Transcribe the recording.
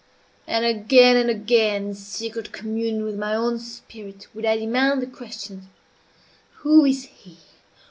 _ And again, and again, in secret communion with my own spirit, would I demand the questions, "Who is he?